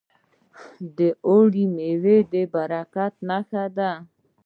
د اوړي میوې د برکت نښه ده.